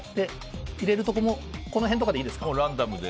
入れるところもこの辺とかでいいですか？